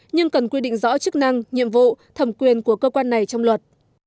nhưng cần quy định rõ chức năng nhiệm vụ thẩm quyền của cơ quan này trong luật